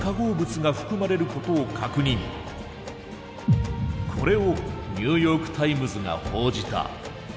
これを「ニューヨーク・タイムズ」が報じた。